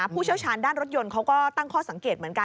ผู้เชี่ยวชาญด้านรถยนต์เขาก็ตั้งข้อสังเกตเหมือนกัน